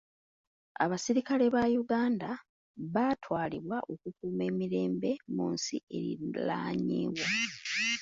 Abasirikale ba Uganda baatwalibwa okukuuma emirembe mu nsi eriraanyeewo.